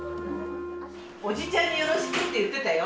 おじちゃんによろしくって言ってたよ。